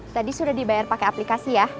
tadi sudah dibayar pakai aplikasi ya